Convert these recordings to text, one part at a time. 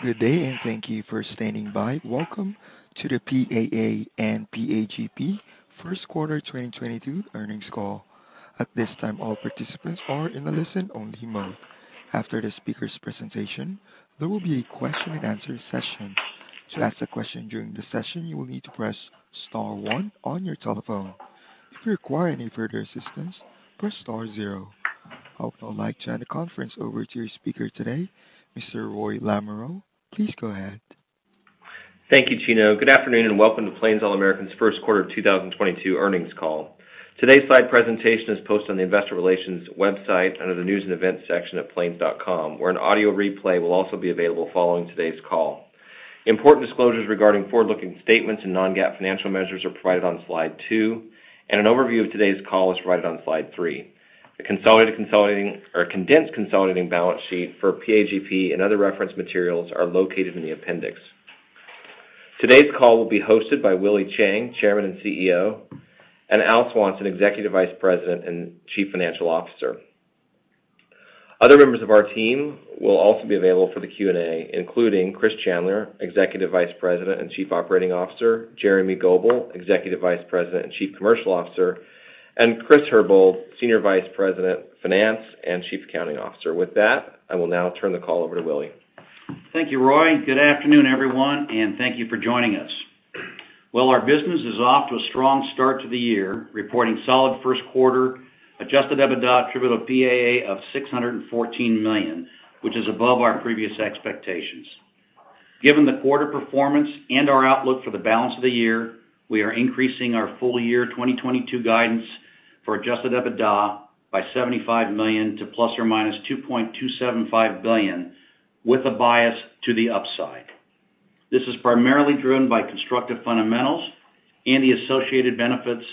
Good day, and thank you for standing by. Welcome to the PAA and PAGP first quarter 2022 earnings call. At this time, all participants are in a listen-only mode. After the speaker's presentation, there will be a question-and-answer session. To ask a question during the session, you will need to press star one on your telephone. If you require any further assistance, press star zero. I would now like to hand the conference over to your speaker today, Mr. Roy Lamoreaux. Please go ahead. Thank you, Gino. Good afternoon, and welcome to Plains All American's first quarter 2022 earnings call. Today's slide presentation is posted on the investor relations website under the News and Events section at plains.com, where an audio replay will also be available following today's call. Important disclosures regarding forward-looking statements and non-GAAP financial measures are provided on slide 2, and an overview of today's call is provided on slide 3. The consolidated consolidating or condensed consolidating balance sheet for PAGP and other reference materials are located in the appendix. Today's call will be hosted by Willie Chiang, Chairman and CEO, and Al Swanson, Executive Vice President and Chief Financial Officer. Other members of our team will also be available for the Q&A, including Chris Chandler, Executive Vice President and Chief Operating Officer, Jeremy Goebel, Executive Vice President and Chief Commercial Officer, and Chris Herbold, Senior Vice President, Finance and Chief Accounting Officer. With that, I will now turn the call over to Willie. Thank you, Roy. Good afternoon, everyone, and thank you for joining us. Well, our business is off to a strong start to the year, reporting solid first quarter adjusted EBITDA attributable to PAA of $614 million, which is above our previous expectations. Given the quarter performance and our outlook for the balance of the year, we are increasing our full-year 2022 guidance for adjusted EBITDA by $75 million to ±$2.275 billion, with a bias to the upside. This is primarily driven by constructive fundamentals and the associated benefits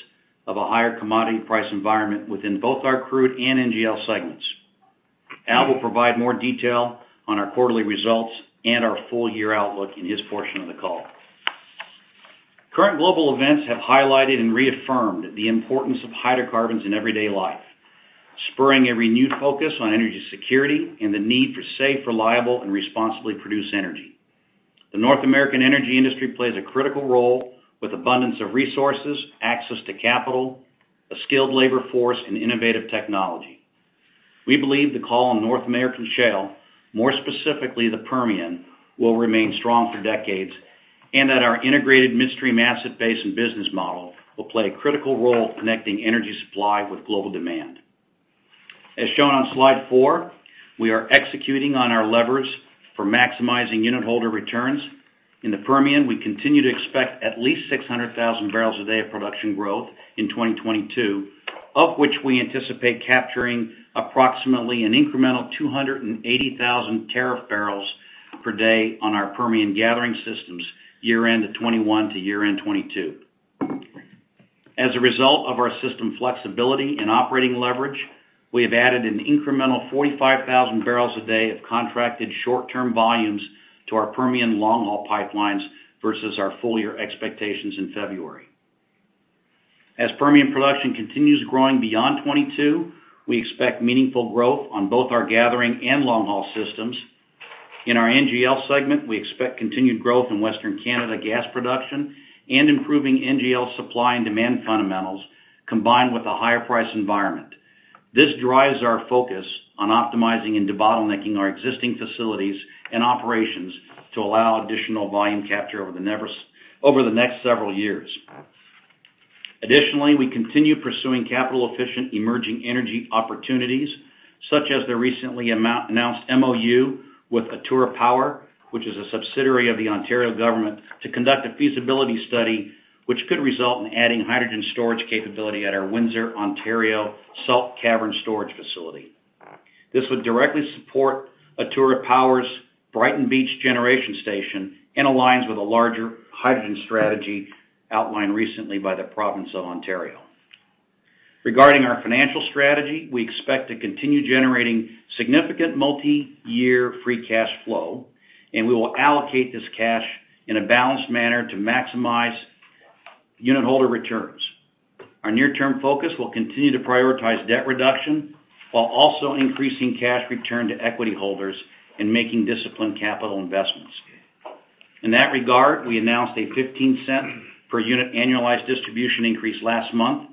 of a higher commodity price environment within both our crude and NGL segments. Al will provide more detail on our quarterly results and our full-year outlook in his portion of the call. Current global events have highlighted and reaffirmed the importance of hydrocarbons in everyday life, spurring a renewed focus on energy security and the need for safe, reliable, and responsibly produced energy. The North American energy industry plays a critical role with abundance of resources, access to capital, a skilled labor force, and innovative technology. We believe the call on North American shale, more specifically the Permian, will remain strong for decades and that our integrated midstream asset base and business model will play a critical role connecting energy supply with global demand. As shown on slide four, we are executing on our levers for maximizing unitholder returns. In the Permian, we continue to expect at least 600,000 barrels a day of production growth in 2022, of which we anticipate capturing approximately an incremental 280,000 tariff barrels per day on our Permian gathering systems year-end of 2021 to year-end 2022. As a result of our system flexibility and operating leverage, we have added an incremental 45,000 barrels a day of contracted short-term volumes to our Permian long-haul pipelines versus our full year expectations in February. As Permian production continues growing beyond 2022, we expect meaningful growth on both our gathering and long-haul systems. In our NGL segment, we expect continued growth in western Canada gas production and improving NGL supply and demand fundamentals combined with a higher price environment. This drives our focus on optimizing and debottlenecking our existing facilities and operations to allow additional volume capture over the next several years. Additionally, we continue pursuing capital-efficient emerging energy opportunities, such as the recently announced MOU with Atura Power, which is a subsidiary of the Ontario government, to conduct a feasibility study which could result in adding hydrogen storage capability at our Windsor, Ontario salt cavern storage facility. This would directly support Atura Power's Brighton Beach Generating Station and aligns with a larger hydrogen strategy outlined recently by the province of Ontario. Regarding our financial strategy, we expect to continue generating significant multi-year free cash flow, and we will allocate this cash in a balanced manner to maximize unit holder returns. Our near-term focus will continue to prioritize debt reduction while also increasing cash return to equity holders and making disciplined capital investments. In that regard, we announced a $0.15 per unit annualized distribution increase last month,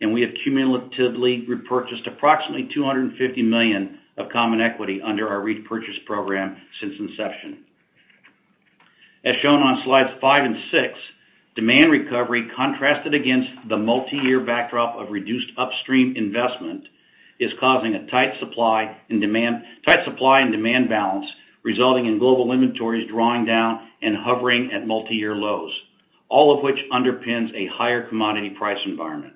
and we have cumulatively repurchased approximately $250 million of common equity under our repurchase program since inception. As shown on slides five and six, demand recovery contrasted against the multi-year backdrop of reduced upstream investment is causing a tight supply and demand balance, resulting in global inventories drawing down and hovering at multi-year lows, all of which underpins a higher commodity price environment.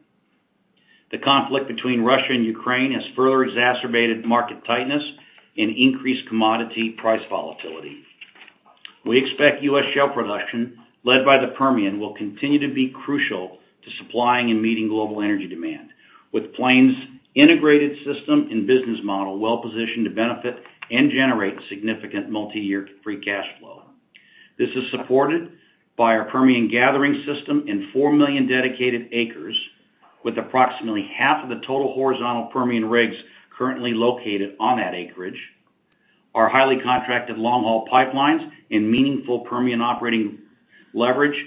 The conflict between Russia and Ukraine has further exacerbated market tightness and increased commodity price volatility. We expect U.S. shale production led by the Permian will continue to be crucial to supplying and meeting global energy demand. With Plains' integrated system and business model well positioned to benefit and generate significant multi-year free cash flow. This is supported by our Permian gathering system and four million dedicated acres. With approximately half of the total horizontal Permian rigs currently located on that acreage, our highly contracted long-haul pipelines and meaningful Permian operating leverage,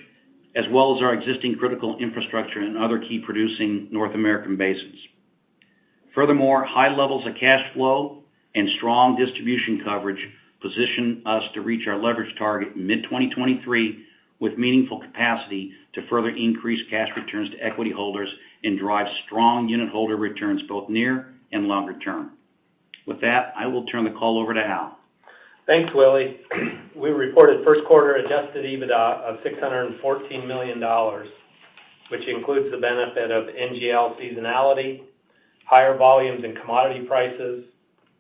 as well as our existing critical infrastructure in other key producing North American basins. Furthermore, high levels of cash flow and strong distribution coverage position us to reach our leverage target in mid-2023 with meaningful capacity to further increase cash returns to equity holders and drive strong unitholder returns, both near and longer term. With that, I will turn the call over to Al. Thanks, Willie. We reported first quarter adjusted EBITDA of $614 million, which includes the benefit of NGL seasonality, higher volumes and commodity prices,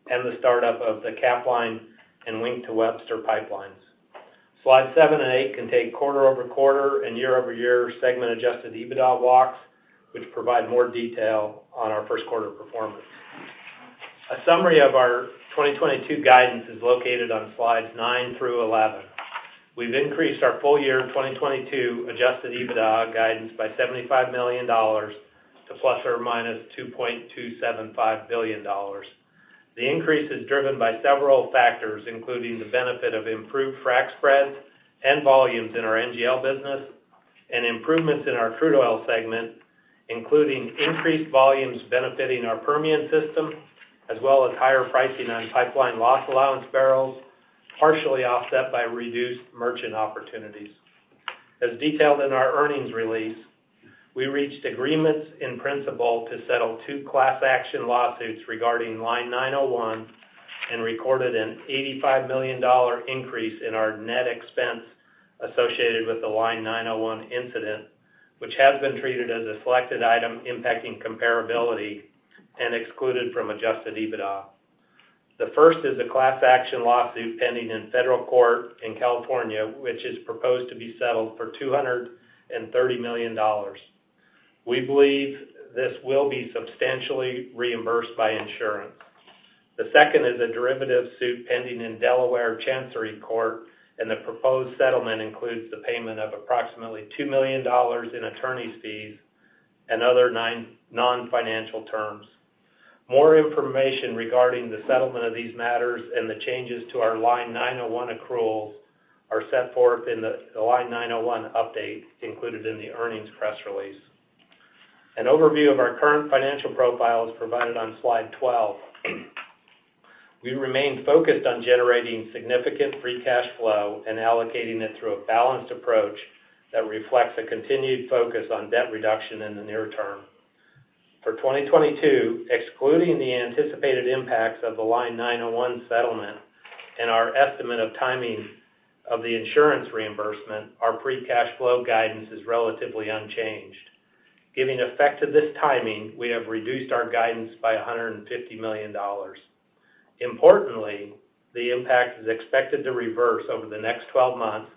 and the startup of the Capline and Wink to Webster pipelines. Slide seven and eight contain quarter-over-quarter and year-over-year segment adjusted EBITDA walks, which provide more detail on our first quarter performance. A summary of our 2022 guidance is located on slides nine through 11. We've increased our full-year 2022 adjusted EBITDA guidance by $75 million to ±$2.275 billion. The increase is driven by several factors, including the benefit of improved frac spreads and volumes in our NGL business and improvements in our crude oil segment, including increased volumes benefiting our Permian system, as well as higher pricing on pipeline loss allowance barrels, partially offset by reduced merchant opportunities. As detailed in our earnings release, we reached agreements in principle to settle two class action lawsuits regarding Line 901, and recorded an $85 million increase in our net expense associated with the Line 901 incident, which has been treated as a selected item impacting comparability and excluded from adjusted EBITDA. The first is a class action lawsuit pending in federal court in California, which is proposed to be settled for $230 million. We believe this will be substantially reimbursed by insurance. The second is a derivative suit pending in Delaware Chancery Court, and the proposed settlement includes the payment of approximately $2 million in attorney's fees and other non-financial terms. More information regarding the settlement of these matters and the changes to our Line 901 accruals are set forth in the Line 901 update included in the earnings press release. An overview of our current financial profile is provided on slide 12. We remain focused on generating significant free cash flow and allocating it through a balanced approach that reflects a continued focus on debt reduction in the near term. For 2022, excluding the anticipated impacts of the Line 901 settlement and our estimate of timing of the insurance reimbursement, our free cash flow guidance is relatively unchanged. Giving effect to this timing, we have reduced our guidance by $150 million. Importantly, the impact is expected to reverse over the next 12 months,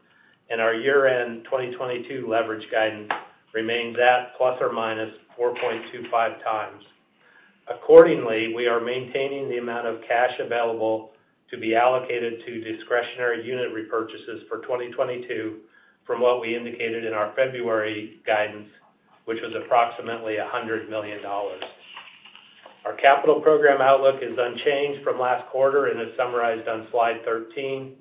and our year-end 2022 leverage guidance remains at ±4.25 times. Accordingly, we are maintaining the amount of cash available to be allocated to discretionary unit repurchases for 2022 from what we indicated in our February guidance, which was approximately $100 million. Our capital program outlook is unchanged from last quarter and is summarized on slide 13.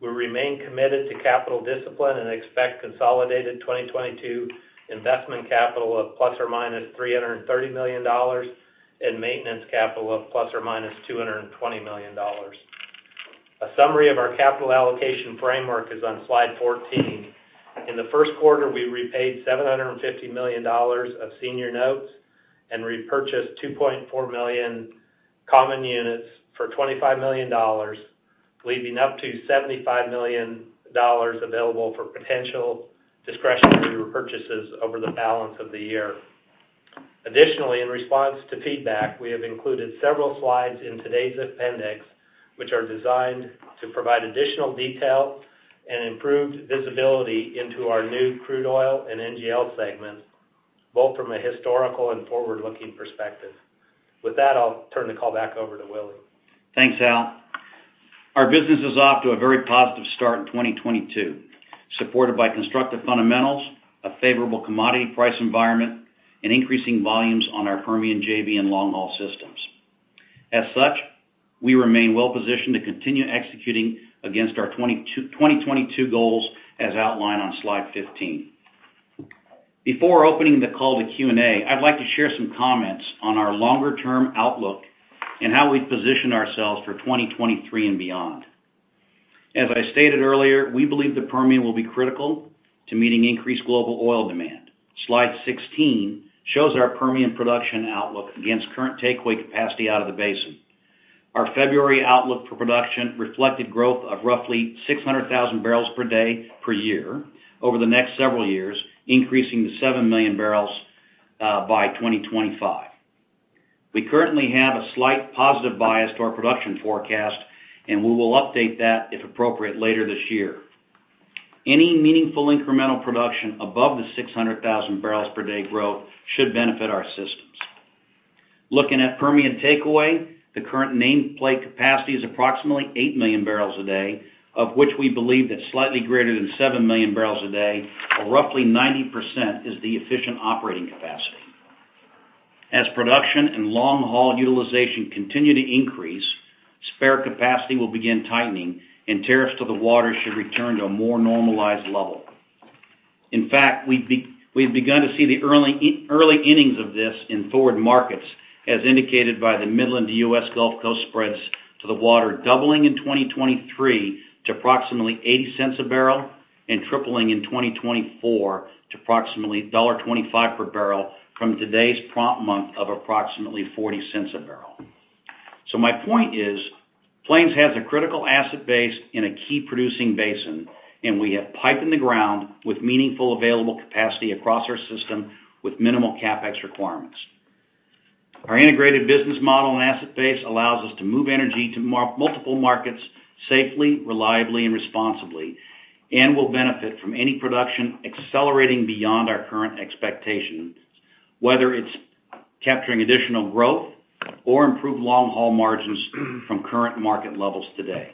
We remain committed to capital discipline and expect consolidated 2022 investment capital of ±$330 million and maintenance capital of ±$220 million. A summary of our capital allocation framework is on slide 14. In the first quarter, we repaid $750 million of senior notes and repurchased 2.4 million common units for $25 million, leaving up to $75 million available for potential discretionary repurchases over the balance of the year. Additionally, in response to feedback, we have included several slides in today's appendix, which are designed to provide additional detail and improved visibility into our new crude oil and NGL segments, both from a historical and forward-looking perspective. With that, I'll turn the call back over to Willie. Thanks, Al. Our business is off to a very positive start in 2022, supported by constructive fundamentals, a favorable commodity price environment, and increasing volumes on our Permian JV and long-haul systems. As such, we remain well-positioned to continue executing against our 2022 goals as outlined on slide 15. Before opening the call to Q&A, I'd like to share some comments on our longer-term outlook and how we position ourselves for 2023 and beyond. As I stated earlier, we believe the Permian will be critical to meeting increased global oil demand. Slide 16 shows our Permian production outlook against current takeaway capacity out of the basin. Our February outlook for production reflected growth of roughly 600,000 barrels per day per year over the next several years, increasing to seven million barrels by 2025. We currently have a slight positive bias to our production forecast, and we will update that if appropriate later this year. Any meaningful incremental production above the 600,000 barrels per day growth should benefit our system. Looking at Permian takeaway, the current nameplate capacity is approximately eight million barrels a day, of which we believe that slightly greater than seven million barrels a day, or roughly 90%, is the efficient operating capacity. As production and long-haul utilization continue to increase, spare capacity will begin tightening and tariffs to the water should return to a more normalized level. In fact, we've begun to see the early innings of this in forward markets, as indicated by the Midland U.S. Gulf Coast spreads to the water doubling in 2023 to approximately $0.80 a barrel and tripling in 2024 to approximately $1.25 per barrel from today's prompt month of approximately $0.40 a barrel. My point is, Plains has a critical asset base in a key producing basin, and we have pipe in the ground with meaningful available capacity across our system with minimal CapEx requirements. Our integrated business model and asset base allows us to move energy to multiple markets safely, reliably, and responsibly, and will benefit from any production accelerating beyond our current expectations, whether it's capturing additional growth or improved long-haul margins from current market levels today.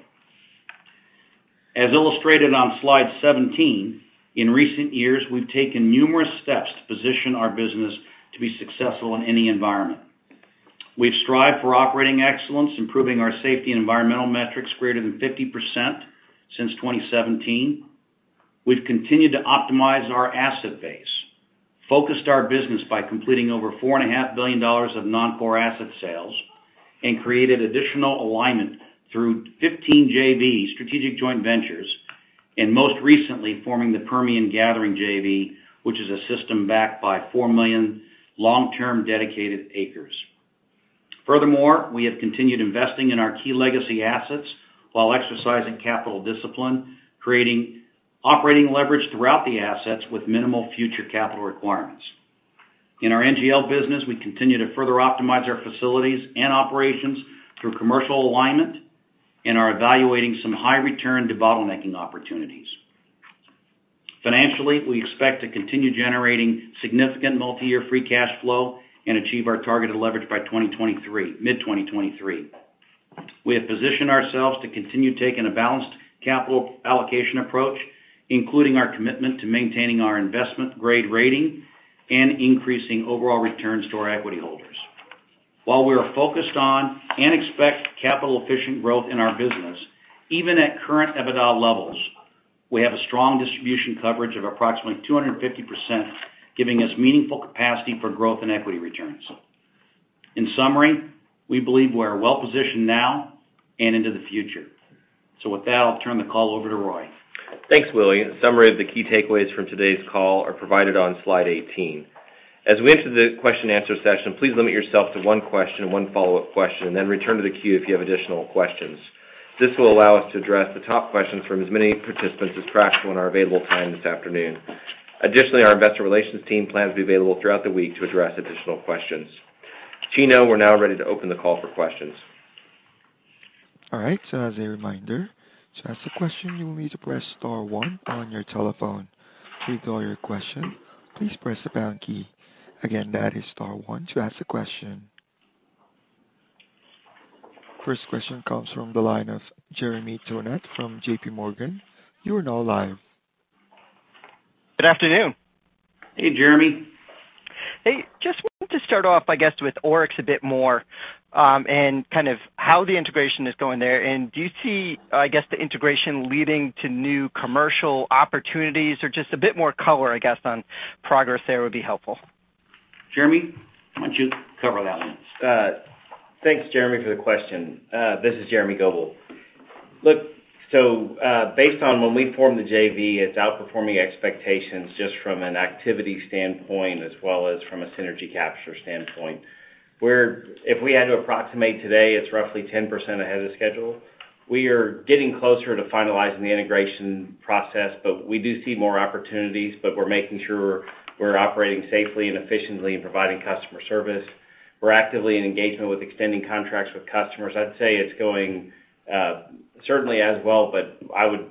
As illustrated on slide 17, in recent years, we've taken numerous steps to position our business to be successful in any environment. We've strived for operating excellence, improving our safety and environmental metrics greater than 50% since 2017. We've continued to optimize our asset base, focused our business by completing over $4.5 billion of non-core asset sales, and created additional alignment through 15 JVs, strategic joint ventures, and most recently forming the Permian Gathering JV, which is a system backed by 4 million long-term dedicated acres. Furthermore, we have continued investing in our key legacy assets while exercising capital discipline, creating operating leverage throughout the assets with minimal future capital requirements. In our NGL business, we continue to further optimize our facilities and operations through commercial alignment and are evaluating some high return debottlenecking opportunities. Financially, we expect to continue generating significant multiyear free cash flow and achieve our targeted leverage by 2023, mid-2023. We have positioned ourselves to continue taking a balanced capital allocation approach, including our commitment to maintaining our investment grade rating and increasing overall returns to our equity holders. While we are focused on and expect capital efficient growth in our business, even at current EBITDA levels, we have a strong distribution coverage of approximately 250%, giving us meaningful capacity for growth and equity returns. In summary, we believe we're well-positioned now and into the future. With that, I'll turn the call over to Roy. Thanks, Willie. A summary of the key takeaways from today's call are provided on slide 18. As we enter the question and answer session, please limit yourself to one question and one follow-up question, and then return to the queue if you have additional questions. This will allow us to address the top questions from as many participants as practical in our available time this afternoon. Additionally, our investor relations team plans to be available throughout the week to address additional questions. Gino, we're now ready to open the call for questions. All right. As a reminder, to ask a question, you will need to press star one on your telephone. To withdraw your question, please press the pound key. Again, that is star one to ask a question. First question comes from the line of Jeremy Tonet from JPMorgan. You are now live. Good afternoon. Hey, Jeremy. Hey, just wanted to start off, I guess, with Oryx a bit more, and kind of how the integration is going there. Do you see, I guess, the integration leading to new commercial opportunities? Or just a bit more color, I guess, on progress there would be helpful. Jeremy, why don't you cover that one? Thanks, Jeremy, for the question. This is Jeremy Goebel. Look, so, based on when we formed the JV, it's outperforming expectations just from an activity standpoint as well as from a synergy capture standpoint. If we had to approximate today, it's roughly 10% ahead of schedule. We are getting closer to finalizing the integration process, but we do see more opportunities, but we're making sure we're operating safely and efficiently in providing customer service. We're actively engaged in extending contracts with customers. I'd say it's going certainly as well, but I would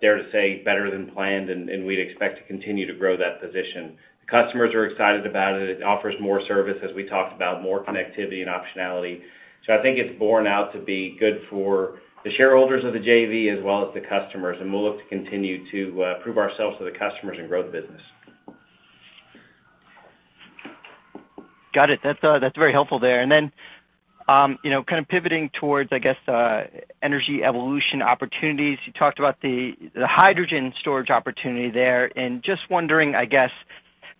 dare to say better than planned, and we'd expect to continue to grow that position. The customers are excited about it. It offers more service, as we talked about, more connectivity and optionality. I think it's borne out to be good for the shareholders of the JV as well as the customers, and we'll look to continue to prove ourselves to the customers and grow the business. Got it. That's very helpful there. Then, you know, kind of pivoting towards, I guess, energy evolution opportunities. You talked about the hydrogen storage opportunity there, and just wondering, I guess,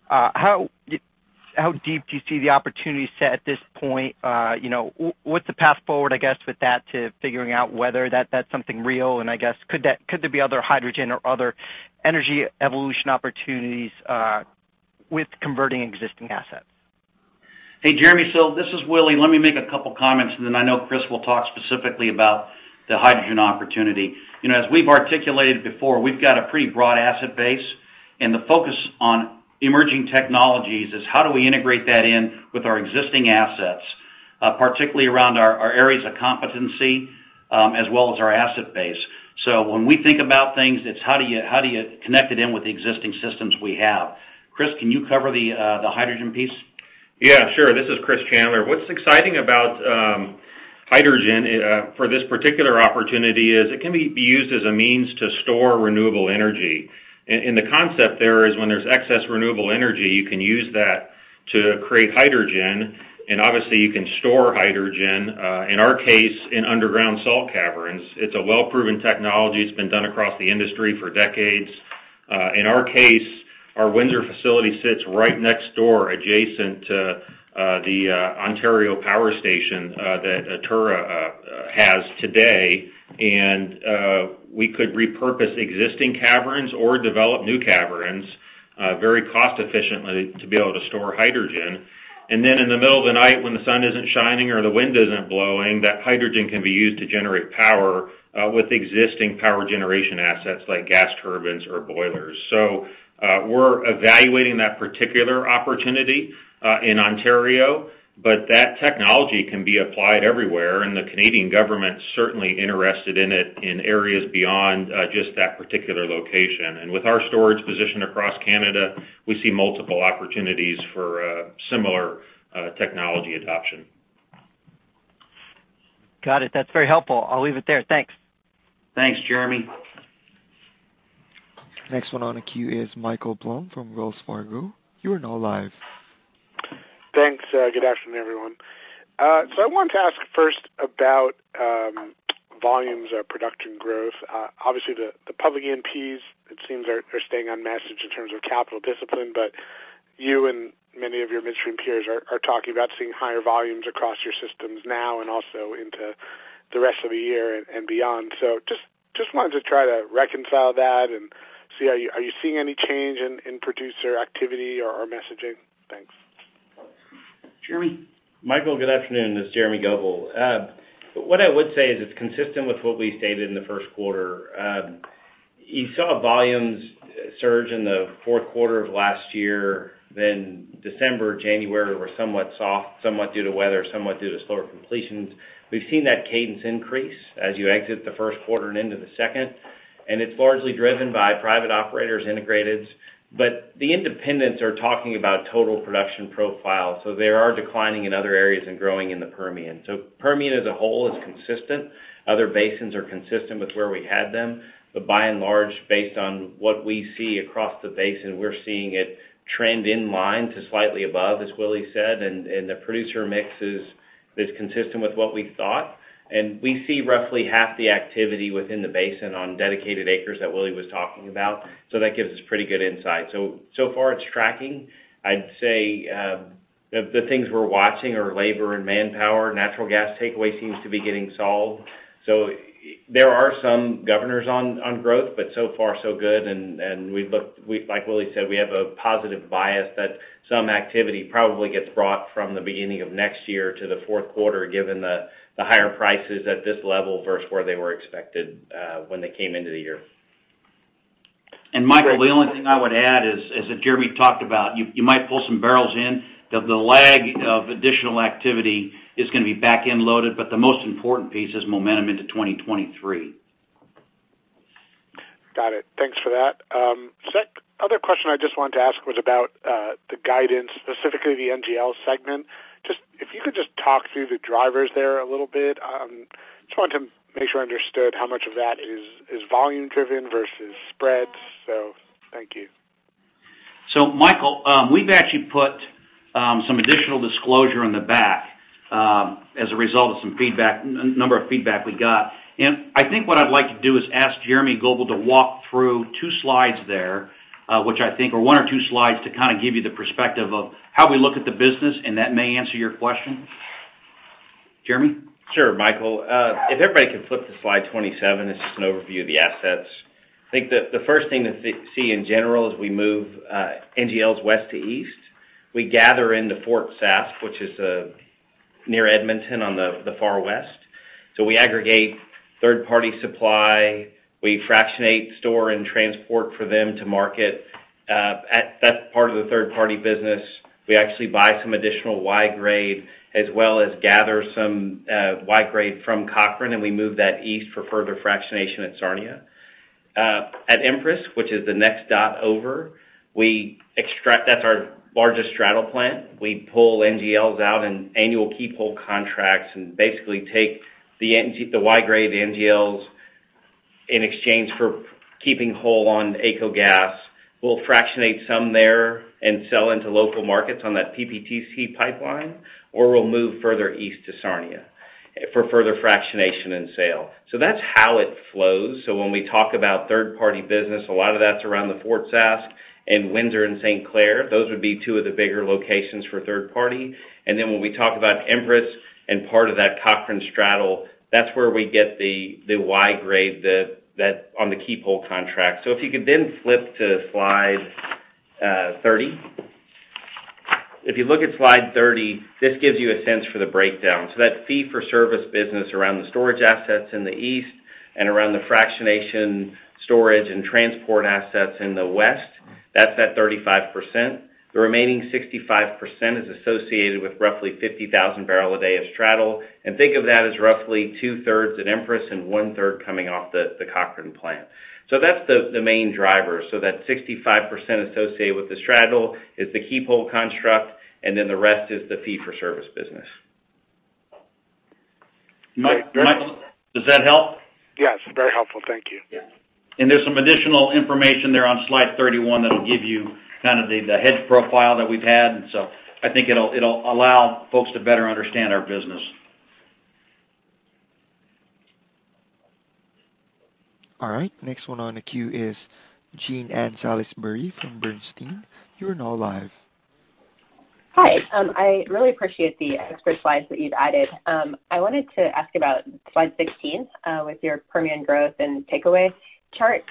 how deep do you see the opportunity set at this point? You know, what's the path forward, I guess, with that to figuring out whether that's something real? I guess, could there be other hydrogen or other energy evolution opportunities, with converting existing assets? Hey, Jeremy. This is Willie. Let me make a couple comments, and then I know Chris will talk specifically about the hydrogen opportunity. You know, as we've articulated before, we've got a pretty broad asset base, and the focus on emerging technologies is how do we integrate that in with our existing assets. Particularly around our areas of competency, as well as our asset base. When we think about things, it's how do you connect it in with the existing systems we have. Chris, can you cover the hydrogen piece. Yeah, sure. This is Chris Chandler. What's exciting about hydrogen for this particular opportunity is it can be used as a means to store renewable energy. The concept there is when there's excess renewable energy, you can use that to create hydrogen, and obviously, you can store hydrogen, in our case, in underground salt caverns. It's a well-proven technology. It's been done across the industry for decades. In our case, our Windsor facility sits right next door adjacent to the Ontario Power Station that Atura has today. We could repurpose existing caverns or develop new caverns very cost efficiently to be able to store hydrogen. In the middle of the night, when the sun isn't shining or the wind isn't blowing, that hydrogen can be used to generate power with existing power generation assets like gas turbines or boilers. We're evaluating that particular opportunity in Ontario, but that technology can be applied everywhere. The Canadian government's certainly interested in it in areas beyond just that particular location. With our storage position across Canada, we see multiple opportunities for similar technology adoption. Got it. That's very helpful. I'll leave it there. Thanks. Thanks, Jeremy. Next one on the queue is Michael Blum from Wells Fargo. You are now live. Thanks. Good afternoon, everyone. I wanted to ask first about volumes of production growth. Obviously the public E&Ps it seems are staying on message in terms of capital discipline, but you and many of your midstream peers are talking about seeing higher volumes across your systems now and also into the rest of the year and beyond. Just wanted to try to reconcile that and see are you seeing any change in producer activity or messaging? Thanks. Jeremy. Michael, good afternoon. This is Jeremy Goebel. What I would say is it's consistent with what we stated in the first quarter. You saw volumes surge in the fourth quarter of last year, then December, January were somewhat soft, somewhat due to weather, somewhat due to slower completions. We've seen that cadence increase as you exit the first quarter and into the second, and it's largely driven by private operators integrated. The independents are talking about total production profile, so they are declining in other areas and growing in the Permian. Permian as a whole is consistent. Other basins are consistent with where we had them, but by and large, based on what we see across the basin, we're seeing it trend in line to slightly above, as Willy said. The producer mix is consistent with what we thought. We see roughly half the activity within the basin on dedicated acres that Willy was talking about. That gives us pretty good insight. So far it's tracking. I'd say, the things we're watching are labor and manpower. Natural gas takeaway seems to be getting solved. There are some governors on growth, but so far so good and, like Willy said, we have a positive bias that some activity probably gets brought from the beginning of next year to the fourth quarter, given the higher prices at this level versus where they were expected, when they came into the year. Michael, the only thing I would add is that Jeremy talked about you might pull some barrels in. The lag of additional activity is gonna be back-end loaded, but the most important piece is momentum into 2023. Got it. Thanks for that. Other question I just wanted to ask was about the guidance, specifically the NGL segment. If you could just talk through the drivers there a little bit. Just wanted to make sure I understood how much of that is volume driven versus spreads. Thank you. Michael, we've actually put some additional disclosure in the back, as a result of some feedback we got. I think what I'd like to do is ask Jeremy Goebel to walk through two slides there, which I think are one or two slides to kind of give you the perspective of how we look at the business, and that may answer your question. Jeremy? Sure, Michael. If everybody could flip to slide 27, it's just an overview of the assets. I think the first thing that we see in general as we move NGLs west to east, we gather in the Fort Saskatchewan, which is near Edmonton on the far west. We aggregate third-party supply. We fractionate, store, and transport for them to market. That's part of the third-party business. We actually buy some additional Y-grade as well as gather some Y-grade from Cochrane, and we move that east for further fractionation at Sarnia. At Empress, which is the next dot over, that's our largest straddle plant. We pull NGLs out in annual keep whole contracts and basically take the Y-grade NGLs in exchange for keeping whole on AECO gas. We'll fractionate some there and sell into local markets on that PPTC pipeline, or we'll move further east to Sarnia for further fractionation and sale. That's how it flows. When we talk about third-party business, a lot of that's around the Fort Sask and Windsor and St. Clair. Those would be two of the bigger locations for third party. Then when we talk about Empress and part of that Cochrane straddle, that's where we get the Y-grade that on the keep whole contract. If you could then flip to slide 30. If you look at slide 30, this gives you a sense for the breakdown. That fee for service business around the storage assets in the east and around the fractionation storage and transport assets in the west. That's at 35%. The remaining 65% is associated with roughly 50,000 barrel a day of straddle. Think of that as roughly two-thirds at Empress and one-third coming off the Cochrane plant. That's the main driver. That 65% associated with the straddle is the keep whole construct, and then the rest is the fee for service business. Mike, Does that help? Yes. Very helpful. Thank you. Yeah. There's some additional information there on slide 31 that'll give you kind of the hedge profile that we've had. I think it'll allow folks to better understand our business. All right. Next one on the queue is Jean Ann Salisbury from Bernstein. You are now live. Hi. I really appreciate the extra slides that you've added. I wanted to ask about slide 16, with your Permian growth and takeaway chart.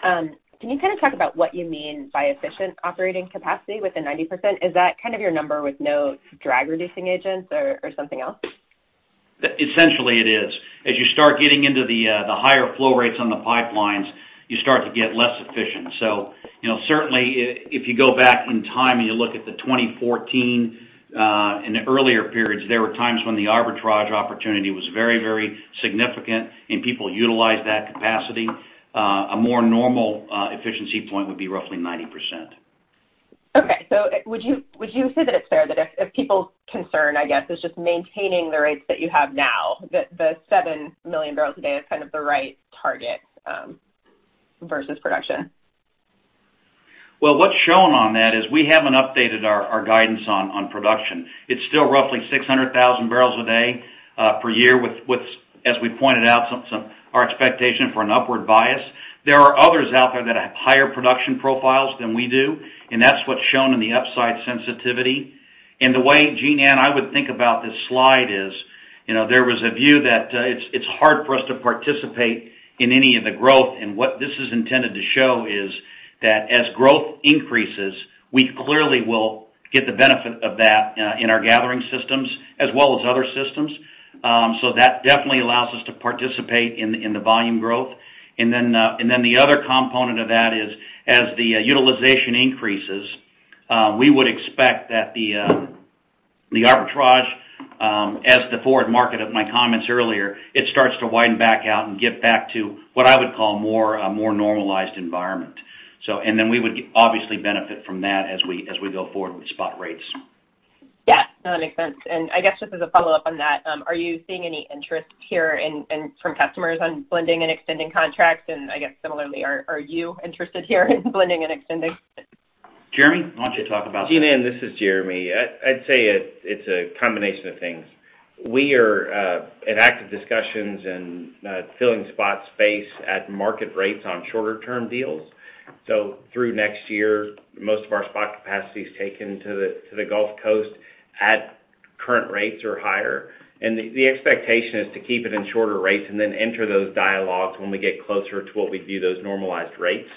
Can you kind of talk about what you mean by efficient operating capacity with the 90%? Is that kind of your number with no drag-reducing agents or something else? Essentially, it is. As you start getting into the higher flow rates on the pipelines, you start to get less efficient. You know, certainly if you go back in time and you look at the 2014 and the earlier periods, there were times when the arbitrage opportunity was very, very significant and people utilized that capacity. A more normal efficiency point would be roughly 90%. Okay. Would you say that it's fair that if people's concern, I guess, is just maintaining the rates that you have now, the seven million barrels a day is kind of the right target versus production? Well, what's shown on that is we haven't updated our guidance on production. It's still roughly 600,000 barrels a day per year with as we pointed out some our expectation for an upward bias. There are others out there that have higher production profiles than we do, and that's what's shown in the upside sensitivity. The way, Jean-Ann, I would think about this slide is, you know, there was a view that it's hard for us to participate in any of the growth. What this is intended to show is that as growth increases, we clearly will get the benefit of that in our gathering systems as well as other systems. So that definitely allows us to participate in the volume growth. The other component of that is as the utilization increases, we would expect that the arbitrage, as the forward market of my comments earlier, it starts to widen back out and get back to what I would call a more normalized environment. We would obviously benefit from that as we go forward with spot rates. Yeah, that makes sense. I guess just as a follow-up on that, are you seeing any interest here from customers on blending and extending contracts? I guess similarly, are you interested here in blending and extending? Jeremy, why don't you talk about that? Jean-Ann, this is Jeremy. I'd say it's a combination of things. We are in active discussions and filling spot space at market rates on shorter term deals. Through next year, most of our spot capacity is taken to the Gulf Coast at current rates or higher. The expectation is to keep it in shorter rates and then enter those dialogues when we get closer to what we view those normalized rates.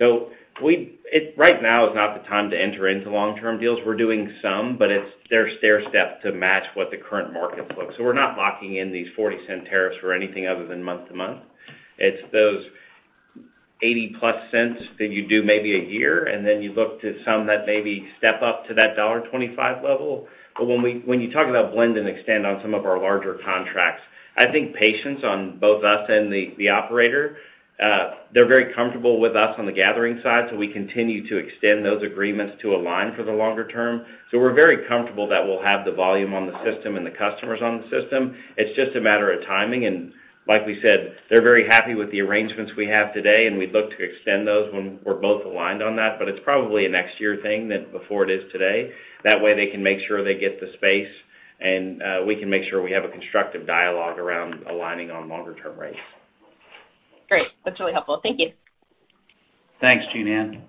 Right now is not the time to enter into long-term deals. We're doing some, but they're stairstep to match what the current market looks. We're not locking in these $0.40 tariffs for anything other than month to month. It's those $0.80+ that you do maybe a year, and then you look to some that maybe step up to that $1.25 level. When you talk about blend and extend on some of our larger contracts, I think patience on both us and the operator. They're very comfortable with us on the gathering side, so we continue to extend those agreements to align for the longer term. We're very comfortable that we'll have the volume on the system and the customers on the system. It's just a matter of timing. Like we said, they're very happy with the arrangements we have today, and we'd look to extend those when we're both aligned on that. It's probably a next year thing rather than today. That way they can make sure they get the space, and we can make sure we have a constructive dialogue around aligning on longer-term rates. Great. That's really helpful. Thank you. Thanks, Jean Ann.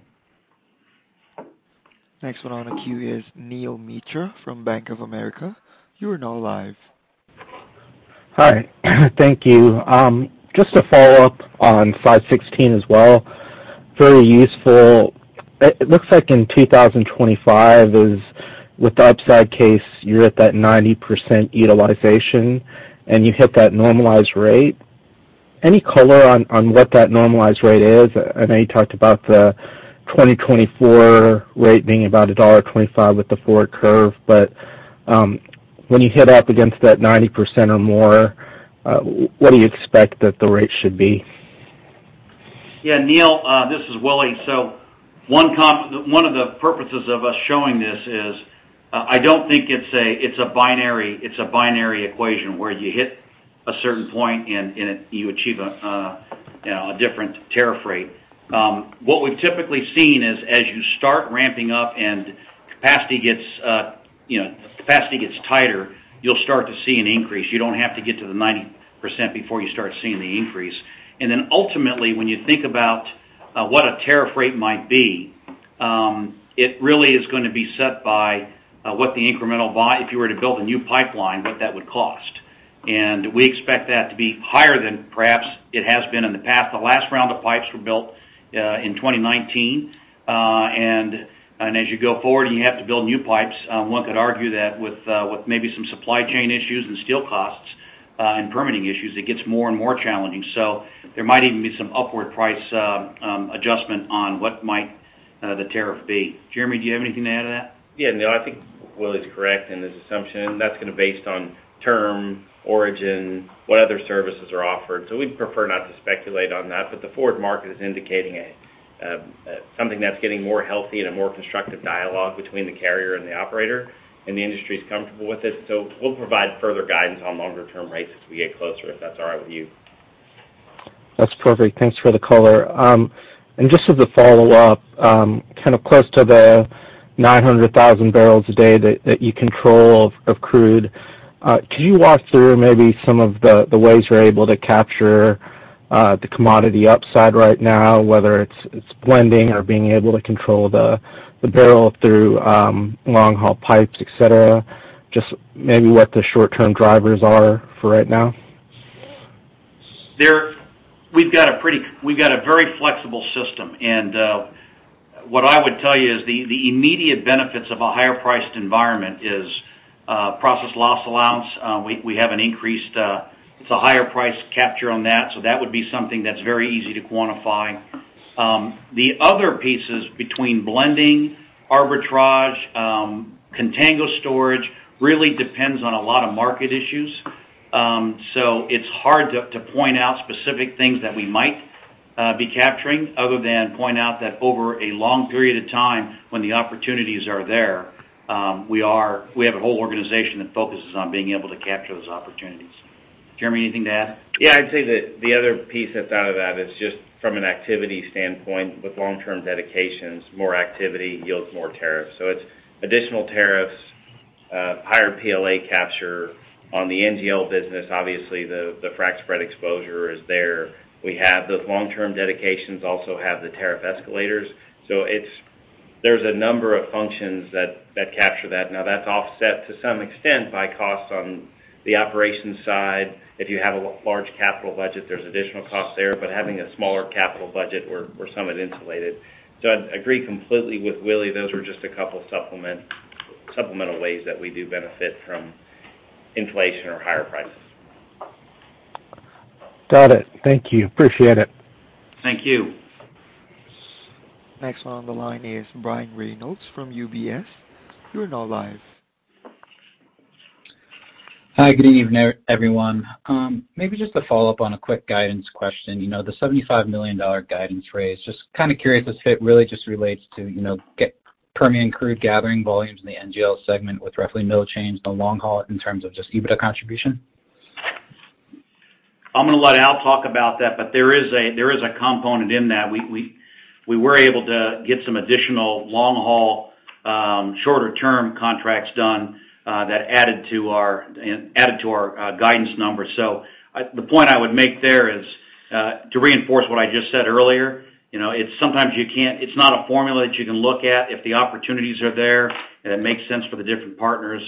Next one on the queue is Neal Dingmann from William Blair. You are now live. Hi. Thank you. Just to follow up on slide 16 as well, very useful. It looks like in 2025 is with the upside case, you're at that 90% utilization, and you hit that normalized rate. Any color on what that normalized rate is? I know you talked about the 2024 rate being about $1.25 with the forward curve, but when you hit up against that 90% or more, what do you expect that the rate should be? Yeah. Neal, this is Willie. One of the purposes of us showing this is, I don't think it's a binary equation where you hit a certain point and you achieve a you know, a different tariff rate. What we've typically seen is as you start ramping up and capacity gets tighter, you'll start to see an increase. You don't have to get to the 90% before you start seeing the increase. Ultimately, when you think about what a tariff rate might be, it really is gonna be set by, if you were to build a new pipeline, what that would cost. We expect that to be higher than perhaps it has been in the past. The last round of pipes were built in 2019. And as you go forward and you have to build new pipes, one could argue that with with maybe some supply chain issues and steel costs and permitting issues, it gets more and more challenging. There might even be some upward price adjustment on what might the tariff be. Jeremy, do you have anything to add to that? Yeah, no, I think Willie is correct in his assumption. That's kind of based on term, origin, what other services are offered. We'd prefer not to speculate on that. The forward market is indicating a something that's getting more healthy and a more constructive dialogue between the carrier and the operator, and the industry is comfortable with this. We'll provide further guidance on longer-term rates as we get closer, if that's all right with you. That's perfect. Thanks for the color. Just as a follow-up, kind of close to the 900,000 barrels a day that you control of crude. Could you walk through maybe some of the ways you're able to capture the commodity upside right now, whether it's blending or being able to control the barrel through long-haul pipes, et cetera? Just maybe what the short-term drivers are for right now. We've got a very flexible system. What I would tell you is the immediate benefits of a higher priced environment is process loss allowance. We have an increased, it's a higher price capture on that, so that would be something that's very easy to quantify. The other pieces between blending, arbitrage, contango storage, really depends on a lot of market issues. So it's hard to point out specific things that we might be capturing other than point out that over a long period of time when the opportunities are there, we have a whole organization that focuses on being able to capture those opportunities. Jeremy, anything to add? Yeah, I'd say that the other piece that's out of that is just from an activity standpoint with long-term dedications, more activity yields more tariffs. It's additional tariffs, higher PLA capture on the NGL business. Obviously, the frac spread exposure is there. We have those long-term dedications, also have the tariff escalators. It's. There's a number of functions that capture that. Now, that's offset to some extent by costs on the operations side. If you have a large capital budget, there's additional costs there, but having a smaller capital budget, we're somewhat insulated. I'd agree completely with Willie. Those are just a couple supplemental ways that we do benefit from inflation or higher prices. Got it. Thank you. Appreciate it. Thank you. Next on the line is Brian Reynolds from UBS. You're now live. Hi, good evening, everyone. Maybe just to follow up on a quick guidance question. You know, the $75 million guidance raise, just kind of curious if it really just relates to, you know, Permian crude gathering volumes in the NGL segment with roughly no change on long haul in terms of just EBITDA contribution. I'm gonna let Al talk about that, but there is a component in that. We were able to get some additional long-haul shorter-term contracts done that added to our guidance numbers. The point I would make there is to reinforce what I just said earlier. You know, sometimes it's not a formula that you can look at. If the opportunities are there and it makes sense for the different partners,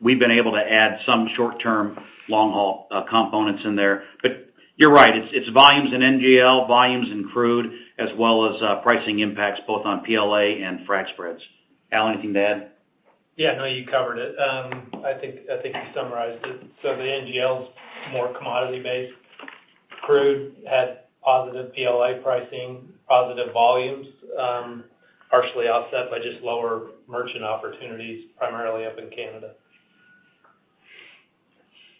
we've been able to add some short-term, long-haul components in there. But you're right, it's volumes in NGL, volumes in crude, as well as pricing impacts both on PLA and frac spreads. Al, anything to add? Yeah, no, you covered it. I think you summarized it. The NGL is more commodity-based. Crude had positive PLA pricing, positive volumes, partially offset by just lower merchant opportunities primarily up in Canada.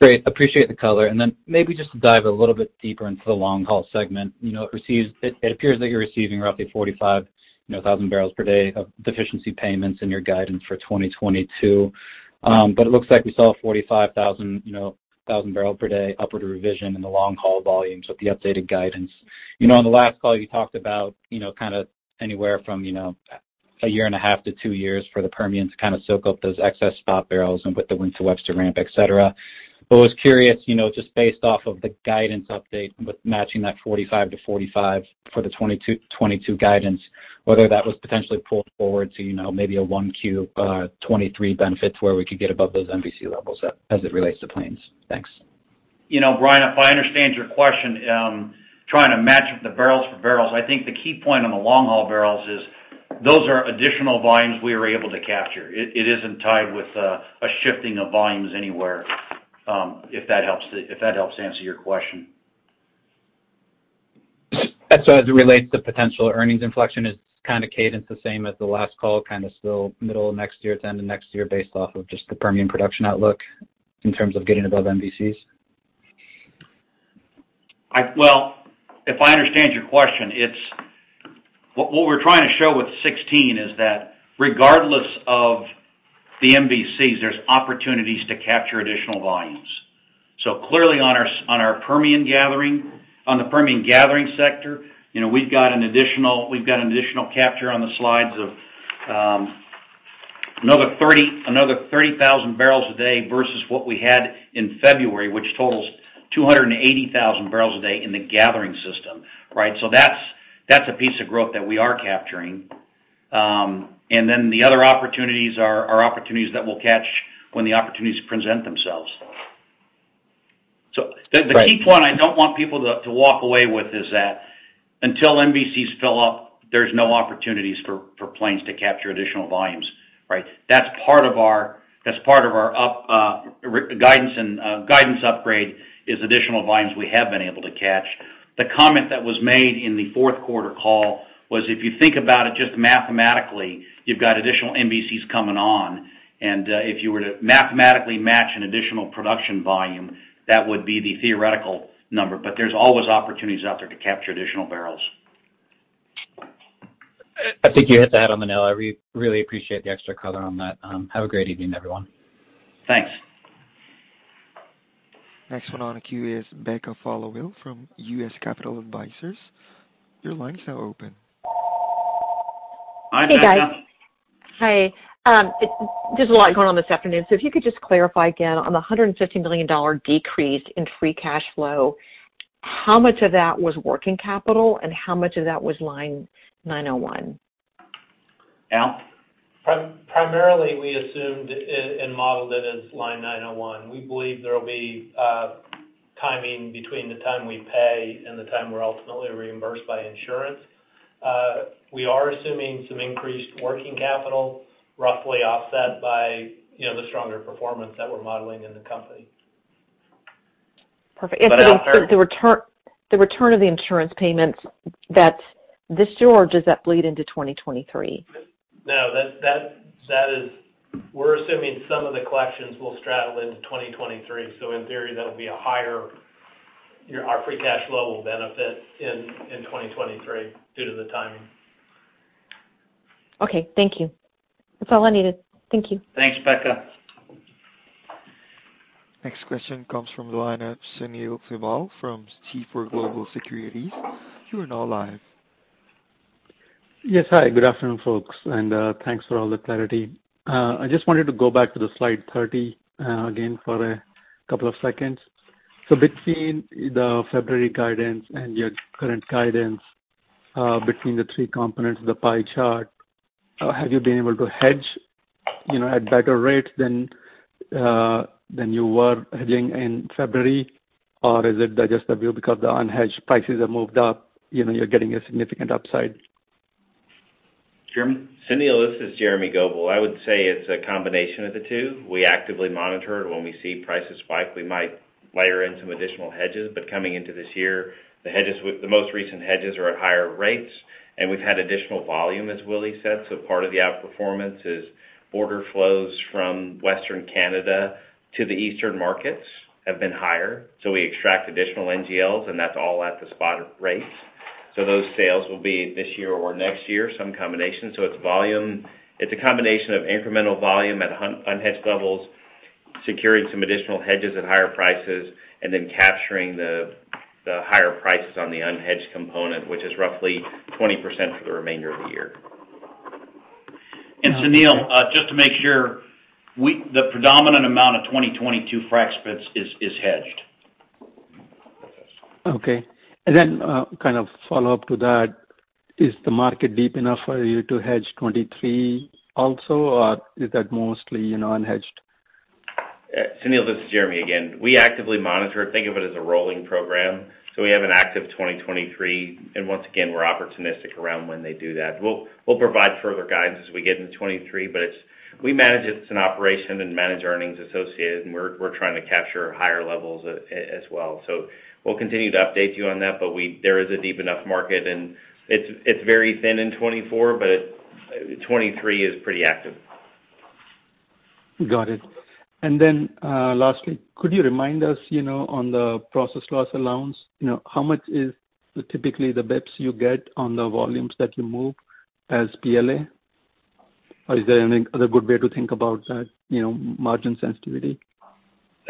Great. Appreciate the color. Maybe just to dive a little bit deeper into the long-haul segment. You know, it appears that you're receiving roughly 45,000 barrels per day of deficiency payments in your guidance for 2022. But it looks like we saw a 45,000-barrel per day upward revision in the long-haul volume. The updated guidance. You know, on the last call, you talked about, you know, kinda anywhere from, you know, a year and a half to two years for the Permians to kind of soak up those excess spot barrels and with the Wink to Webster ramp, et cetera. I was curious, you know, just based off of the guidance update with matching that 45-45 for the 2022 guidance, whether that was potentially pulled forward to, you know, maybe a 1Q 2023 benefit where we could get above those MVC levels as it relates to Plains. Thanks. You know, Brian, if I understand your question, trying to match up the barrels for barrels. I think the key point on the long-haul barrels is those are additional volumes we were able to capture. It isn't tied with a shifting of volumes anywhere, if that helps answer your question. As it relates to potential earnings inflection, it's kind of the same cadence as the last call, kind of still middle of next year to end of next year based off of just the Permian production outlook in terms of getting above MVCs. Well, if I understand your question, it's what we're trying to show with 16 is that regardless of the MVCs, there's opportunities to capture additional volumes. Clearly on our Permian gathering sector, you know, we've got an additional capture on the slides of another 30,000 barrels a day versus what we had in February, which totals 280,000 barrels a day in the gathering system, right? That's a piece of growth that we are capturing. And then the other opportunities are opportunities that we'll catch when the opportunities present themselves. Right. The key point I don't want people to walk away with is that until MVCs fill up, there's no opportunities for Plains to capture additional volumes, right? That's part of our upward guidance and guidance upgrade is additional volumes we have been able to catch. The comment that was made in the fourth quarter call was, if you think about it just mathematically, you've got additional MVCs coming on. If you were to mathematically match an additional production volume, that would be the theoretical number. There's always opportunities out there to capture additional barrels. I think you hit the nail on the head. I really appreciate the extra color on that. Have a great evening, everyone. Thanks. Next one on the queue is Becca Followill from U.S. Capital Advisors. Your line is now open. Hi, Becca. Hey, guys. Hi. There's a lot going on this afternoon, so if you could just clarify again on the $150 million decrease in free cash flow, how much of that was working capital and how much of that was Line 901? Al? Primarily, we assumed and modeled it as Line 901. We believe there will be timing between the time we pay and the time we're ultimately reimbursed by insurance. We are assuming some increased working capital, roughly offset by, you know, the stronger performance that we're modeling in the company. Perfect. The return of the insurance payments, that's this year, or does that bleed into 2023? No, that is. We're assuming some of the collections will straddle into 2023, so in theory, that'll be a higher, you know, our free cash flow will benefit in 2023 due to the timing. Okay, thank you. That's all I needed. Thank you. Thanks, Becca. Next question comes from the line of Sunil Sibal from Seaport Global Securities. You are now live. Yes. Hi, good afternoon, folks, and thanks for all the clarity. I just wanted to go back to the slide 30, again for a couple of seconds. Between the February guidance and your current guidance, between the 3 components of the pie chart, have you been able to hedge, you know, at better rates than than you were hedging in February? Or is it just that because the unhedged prices have moved up, you know, you're getting a significant upside? Jeremy? Sunil, this is Jeremy Goebel. I would say it's a combination of the two. We actively monitor. When we see prices spike, we might layer in some additional hedges. Coming into this year, the hedges with the most recent hedges are at higher rates, and we've had additional volume, as Willie said. Part of the outperformance is border flows from Western Canada to the eastern markets have been higher, so we extract additional NGLs, and that's all at the spot rates. Those sales will be this year or next year, some combination. It's volume. It's a combination of incremental volume at unhedged levels, securing some additional hedges at higher prices, and then capturing the higher prices on the unhedged component, which is roughly 20% for the remainder of the year. Sunil, just to make sure, the predominant amount of 2022 frac spreads is hedged. Kind of follow-up to that, is the market deep enough for you to hedge 2023 also, or is that mostly, you know, unhedged? Sunil, this is Jeremy again. We actively monitor it. Think of it as a rolling program. We have an active 2023, and once again, we're opportunistic around when they do that. We'll provide further guidance as we get into 2023, but it's operational management of earnings associated, and we're trying to capture higher levels as well. We'll continue to update you on that. There is a deep enough market, and it's very thin in 2024, but 2023 is pretty active. Got it. Lastly, could you remind us, you know, on the process loss allowance, you know, how much is typically the bits you get on the volumes that you move as PLA? Or is there any other good way to think about that, you know, margin sensitivity?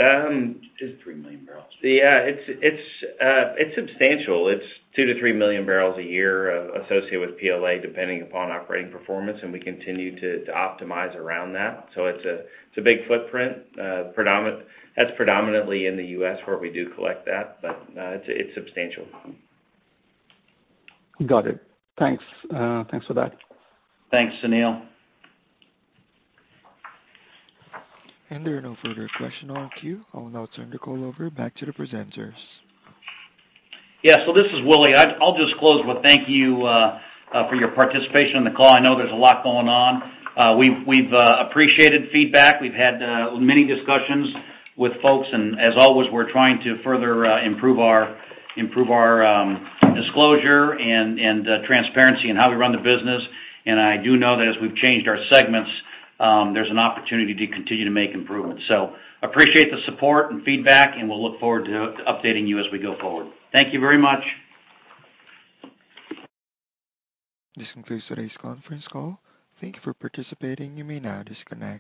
Um. Just 3 million barrels. Yeah. It's substantial. It's 2-3 million barrels a year, associated with PLA, depending upon operating performance, and we continue to optimize around that. So it's a big footprint. That's predominantly in the U.S. where we do collect that, but it's substantial. Got it. Thanks. Thanks for that. Thanks, Sunil. There are no further questions in the queue. I will now turn the call back over to the presenters. Yeah. This is Willie. I'll just close with thank you for your participation on the call. I know there's a lot going on. We've appreciated feedback. We've had many discussions with folks, and as always, we're trying to further improve our disclosure and transparency in how we run the business. I do know that as we've changed our segments, there's an opportunity to continue to make improvements. Appreciate the support and feedback, and we'll look forward to updating you as we go forward. Thank you very much. This concludes today's conference call. Thank you for participating. You may now disconnect.